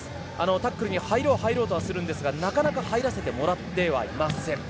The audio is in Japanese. タックルに入ろう入ろうとはするんですがなかなか入らせてもらってはいません。